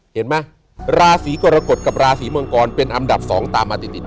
เห็นมั้ยราศรีกรกฏกับราศรีมังกรเป็นอัมดับสองตามมาติด